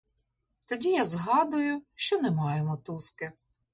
Тоді я згадую, що не маю мотузки.